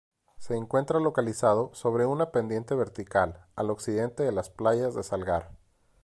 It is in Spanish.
Se encuentra localizado sobre una pendiente vertical, al occidente de las playas de Salgar.